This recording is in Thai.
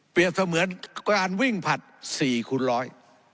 เปรียบเสมือนการวิ่งผัด๔คูณร้อย